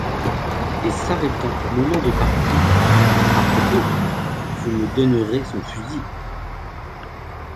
Et s’arrêtant au moment de partir: — À propos, vous me donnerez son fusil!